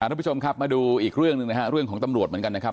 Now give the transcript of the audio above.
ทุกผู้ชมครับมาดูอีกเรื่องหนึ่งนะฮะเรื่องของตำรวจเหมือนกันนะครับ